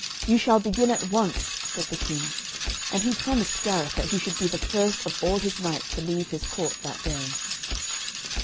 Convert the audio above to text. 'You shall begin at once,' said the King. And he promised Gareth that he should be the first of all his knights to leave his court that day.